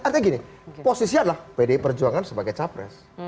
artinya gini posisi adalah pdi perjuangan sebagai capres